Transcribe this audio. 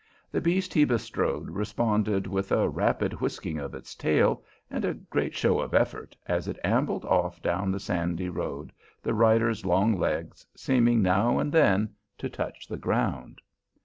The beast he bestrode responded with a rapid whisking of its tail and a great show of effort, as it ambled off down the sandy road, the rider's long legs seeming now and then to touch the ground.